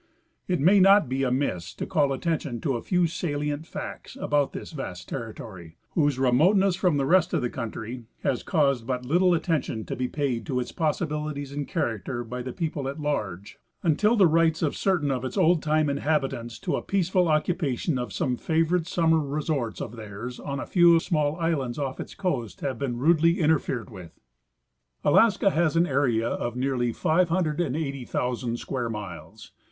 It may not be amiss to call atten tion to a few salient facts about this vast territory, whose remote ness from the rest of the country has caused but little attention to be paid to its ]>ossibilities and character by the people at large until the rights of certain of its old time inhabitants to peaceful occupation of some favorite summer resorts of theirs on a few small islands off its coast had been rudely interfered with. Alaska has an area of nearly 580,000 square miles.